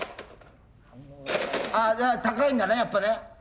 あ高いんだねやっぱね。